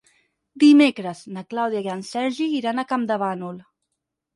Dimecres na Clàudia i en Sergi iran a Campdevànol.